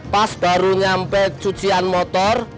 pas baru nyampe cucian motor